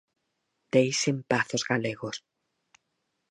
¡Deixe en paz os galegos!